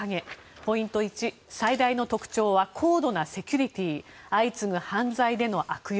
ポイント１、最大の特徴は高度なセキュリティー相次ぐ犯罪での悪用。